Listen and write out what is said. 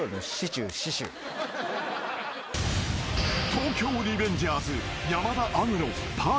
［『東京リベンジャーズ』］